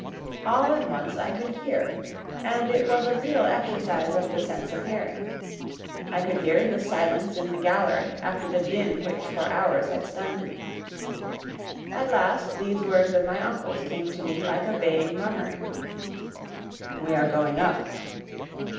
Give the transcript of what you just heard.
All at once I could hear; and it was a real exercise of the sense of hearing. I could hear the silence in the gallery after the din which for hours had stunned me. At last these words of my uncle's came to me like a vague murmuring: "We are going up."